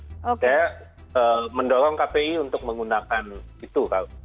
saya mendorong kpi untuk menggunakan itu